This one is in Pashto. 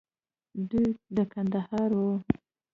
دوى د کندهار وو.